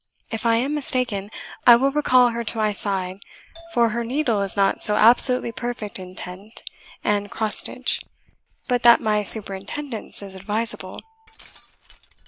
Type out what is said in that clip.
If I am mistaken, I will recall her to my side; for her needle is not so absolutely perfect in tent and cross stitch, but that my superintendence is advisable."